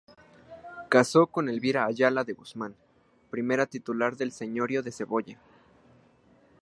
Casó con Elvira Ayala de Guzmán, primera titular del señorío de Cebolla.